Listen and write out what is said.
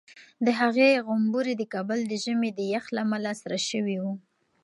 د هغې غومبوري د کابل د ژمي د یخ له امله سره شوي وو.